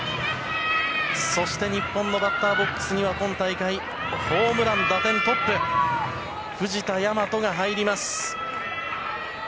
そして日本のバッターボックスには今大会、ホームラン打点トップ藤田倭が入ります。